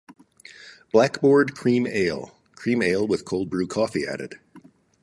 Blackboard Cream Ale: Cream Ale with cold brew coffee added.